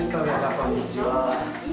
こんにちは。